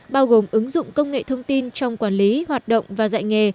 bao gồm ứng dụng công nghệ thông tin trong quản lý hoạt động và dạy nghề